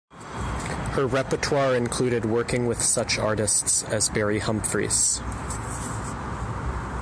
Her repertoire included working with such artists as Barry Humphries.